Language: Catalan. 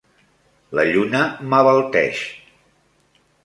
La lluna m'abalteix.